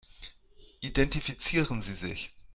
Identifizieren Sie sich.